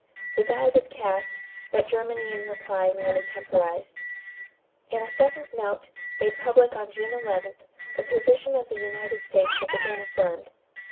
The die was cast; but Germany in reply merely temporized. In a second note, made public on June 11, the position of the United States was again affirmed.